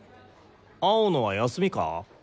青野は休みか？